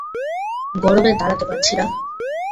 গরমে দাঁড়াতে পারছি না।